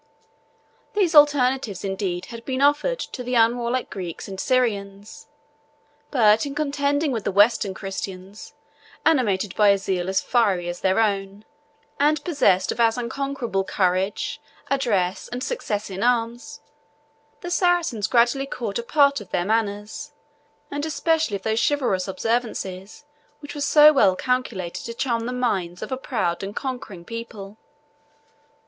These alternatives indeed had been offered to the unwarlike Greeks and Syrians; but in contending with the Western Christians, animated by a zeal as fiery as their own, and possessed of as unconquerable courage, address, and success in arms, the Saracens gradually caught a part of their manners, and especially of those chivalrous observances which were so well calculated to charm the minds of a proud and conquering people.